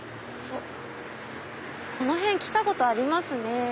この辺来たことありますね。